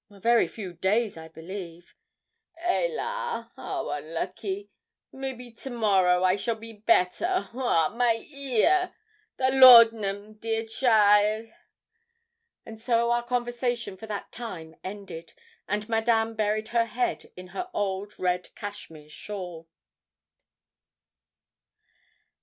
'A very few days, I believe.' 'Hélas! 'ow onlucky! maybe to morrow I shall be better Ouah! my ear. The laudanum, dear cheaile!' And so our conversation for that time ended, and Madame buried her head in her old red cashmere shawl.